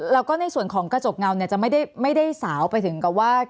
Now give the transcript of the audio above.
แล้วก็ในส่วนของกระจกเงาเนี่ยจะไม่ได้สาวไปถึงกับว่า